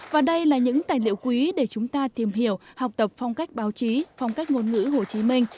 và đây là những tài liệu quý để chúng ta tìm hiểu học tập phong cách báo chí phong cách ngôn ngữ hồ chí minh